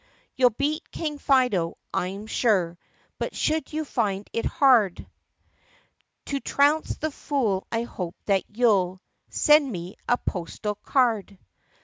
"You 'll beat King Fido, I am sure, But should you find it hard To trounce the fool I hope that you 'll Send me a postal card.